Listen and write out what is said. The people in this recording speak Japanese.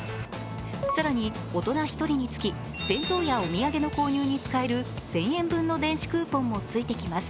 更に、大人１人につき弁当やお土産の購入に使える１０００円分の電子クーポンもついてきます。